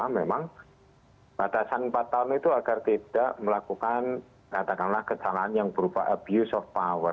memang batasan empat tahun itu agar tidak melakukan katakanlah kecanaan yang berupa abuse of power